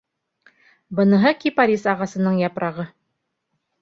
Быныһы кипарис ағасының япрағы...